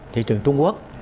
thị trường trung quốc